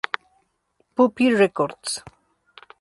Puppy Records.